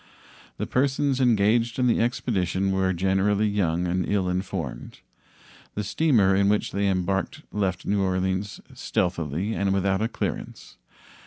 The persons engaged in the expedition were generally young and ill informed. The steamer in which they embarked left New Orleans stealthily and without a clearance.